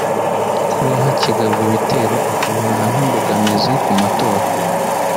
kuba hakigabwa ibitero akabibona nk’imbogamizi ku matora